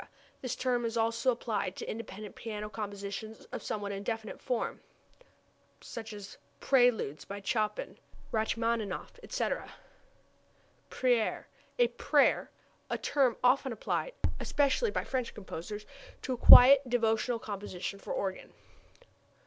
The term is also applied to independent piano compositions of somewhat indefinite form. (Cf. preludes by Chopin, Rachmaninoff, etc.) Prière a prayer; a term often applied (especially by French composers) to a quiet, devotional composition for organ.